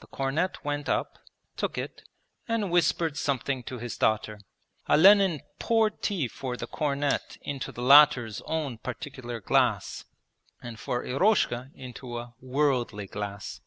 The cornet went up, took it, and whispered something to his daughter. Olenin poured tea for the cornet into the latter's own 'particular' glass, and for Eroshka into a 'worldly' glass.